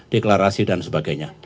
deklarasi dan sebagainya